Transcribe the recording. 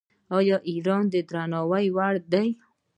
ایران د درناوي وړ دی.